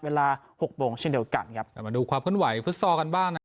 หกโมงเช่นเดียวกันครับเรามาดูความขึ้นไหวฟุตซอลกันบ้างนะครับ